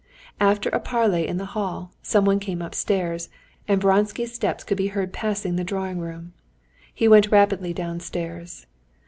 After a parley in the hall, someone came upstairs, and Vronsky's steps could be heard passing the drawing room. He went rapidly downstairs.